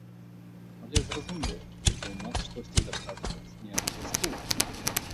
Але зразумела, што ў нас штосьці даказваць не абавязкова.